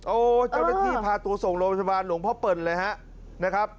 เจ้าหน้าที่พาตัวส่งโรงพยาบาลหลวงพ่อเปิ่นเลยฮะนะครับ